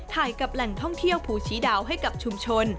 ถ่ายกับแหล่งท่องเที่ยวภูชีดาวให้กับชุมชน